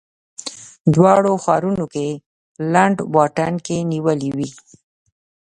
دواړو ښارونو کې لنډ واټن کې نیولې وې.